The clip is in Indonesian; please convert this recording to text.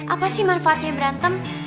apa sih manfaatnya berantem